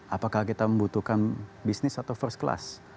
apakah kita membutuhkan bisnis atau first class